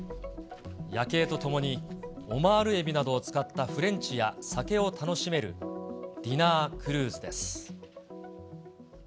夜景とともにオマールエビなどを使ったフレンチや酒を楽しめるディナークルーズです。